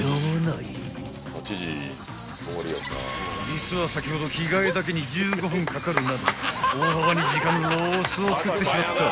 ［実は先ほど着替えだけに１５分かかるなど大幅に時間のロスをつくってしまった］